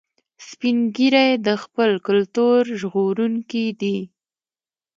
سپین ږیری د خپل کلتور ژغورونکي دي